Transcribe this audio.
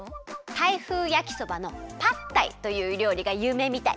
タイ風やきそばのパッタイというりょうりがゆうめいみたい。